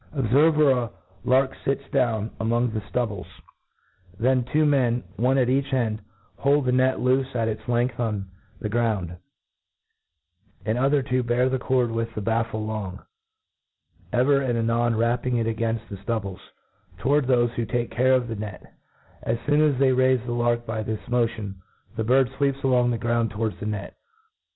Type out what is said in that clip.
Obfcrve wher^ a lark fits down among \> 172 A T I^ E AT I S E OF among the ftubblcs ; then two men, one at each end, hold the net loofc at its length on tho ground, and other two bear the cord with the taffel along, ever and anon rapping it againft the ftubblcs, towards thofe who take care of the net. As foon as they raife the lark by this mo tion, the bird fweeps along the ground towards the net.